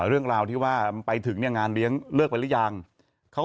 เรื่องราวที่ว่าไปถึงเนี่ยงานเลี้ยงเลิกไปหรือยังเขา